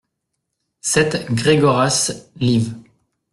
sept Gregoras, liv.